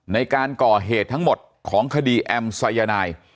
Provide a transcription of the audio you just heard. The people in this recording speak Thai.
ในการก่อเหตุทั้งหมดของคดีแอมสายนาย